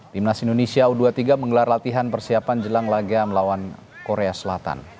timnas indonesia u dua puluh tiga menggelar latihan persiapan jelang laga melawan korea selatan